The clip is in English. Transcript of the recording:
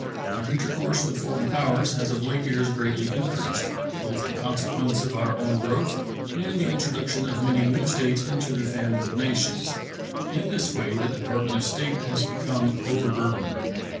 Our intercourse with foreign powers has of late years greatly increased, both in consequence of our own growth and the introduction of many new states into the family of nations. In this way the Department of State has become overburdened.